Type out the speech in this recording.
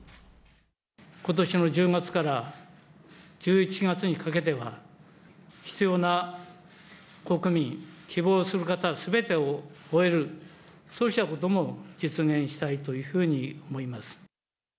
ことしの１０月から１１月にかけては、必要な国民、希望する方すべてを終える、そうしたことも実現したいというふうに思います。